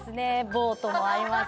ボートもあります。